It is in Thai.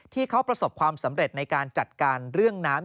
ที่เขาประสบความสำเร็จในการจัดการเรื่องน้ำ